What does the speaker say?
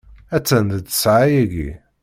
Attan d ttessɛa yagi.